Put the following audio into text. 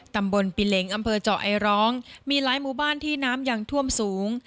ตำบลปิเล็งอำเภอเจาะไอร้องมีหลายหมู่บ้านที่น้ำยังท่วมสูง